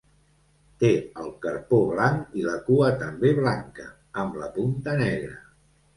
Té el carpó blanc i la cua també blanca, amb la punta negra.